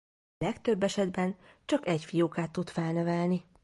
A legtöbb esetben csak egy fiókát tud felnevelni.